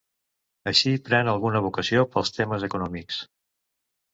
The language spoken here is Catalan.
Així pren alguna vocació pels temes econòmics.